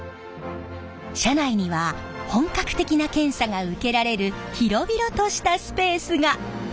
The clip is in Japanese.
車内には本格的な検査が受けられる広々としたスペースが！